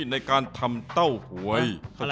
ในการทำเต้าหวย